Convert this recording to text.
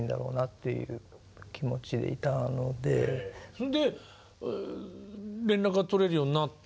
それで連絡が取れるようになった。